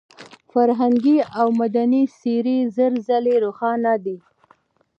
فرهنګي او مدني څېره زر ځله روښانه ده.